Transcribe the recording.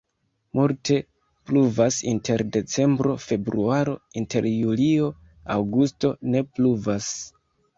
Multe pluvas inter decembro-februaro, inter julio-aŭgusto ne pluvas.